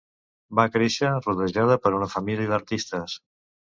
Va créixer rodejada per una família d’artistes.